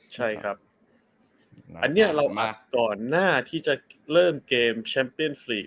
คิดว่าเมื่อก่อนหน้าที่เราจะเริ่มเกมชัมปินฟลีก